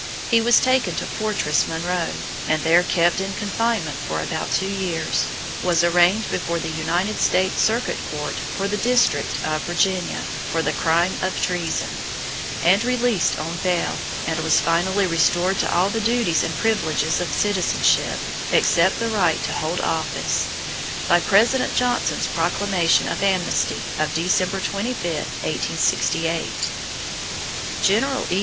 He was taken to Fortress Monroe, and there kept in confinement for about two years; was arraigned before the United States Circuit Court for the District of Virginia for the crime of treason, and released on bail; and was finally restored to all the duties and privileges of citizenship, except the right to hold office, by President Johnson's proclamation of amnesty of December 25, 1868. General E.